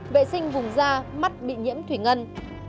vệ sinh vùng da mắt bị nhiễm thủy ngân